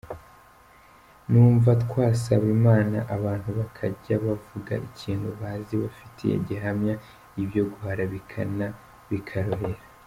Numva twasaba Imana abantu bakajya bavuga ikintu bazi, bafitiye gihamya, ibyo guharabikana bikarorera.